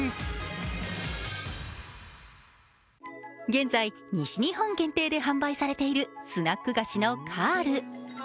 現在、西日本限定で販売されているスナック菓子のカール。